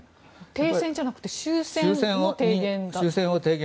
停戦じゃなくて終戦を提言。